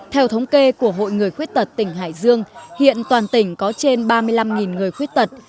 theo thống kê của hội người khuyết tật tỉnh hải dương hiện toàn tỉnh có trên ba mươi năm người khuyết tật